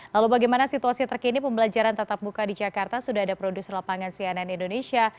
lalu bagaimana situasi terkini pembelajaran tatap muka di jakarta sudah ada produser lapangan cnn indonesia